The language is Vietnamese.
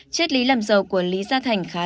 chết lý làm giàu của lý gia thành khá là tốt